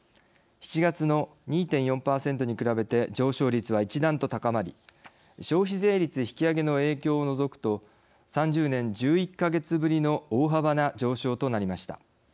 ７月の２．４％に比べて上昇率は一段と高まり消費税率引き上げの影響を除くと３０年１１か月ぶりの大幅な上昇となりました。